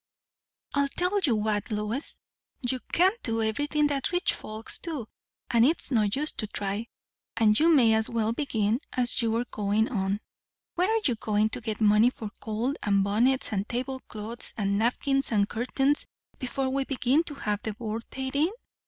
"I'll tell you what, Lois; you can't do everything that rich folks do; and it's no use to try. And you may as well begin as you're goin' on. Where are you going to get money for coal and bonnets and tablecloths and napkins and curtains, before we begin to have the board paid in?"